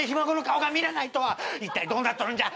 いったいどうなっとるんじゃ。